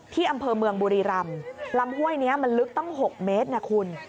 ที่อำเภอเมืองบุรีรำลำห้วยนี้มันลึกตั้ง๖เมตรนะคุณ